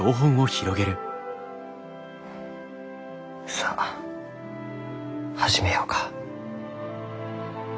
さあ始めようか。